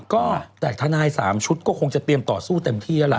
ก็แต่ทนาย๓ชุดก็คงจะเตรียมต่อสู้เต็มที่แล้วล่ะ